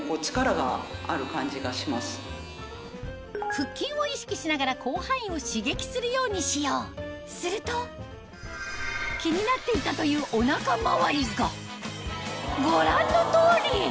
腹筋を意識しながら広範囲を刺激するように使用すると気になっていたというお腹周りがご覧の通り！